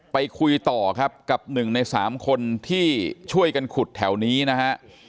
ไปคุยต่อครับกับหนึ่งในสามคนที่ช่วยกันขุดแถวนี้นะฮะ